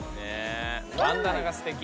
バンダナがすてき。